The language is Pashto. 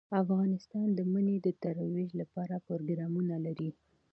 افغانستان د منی د ترویج لپاره پروګرامونه لري.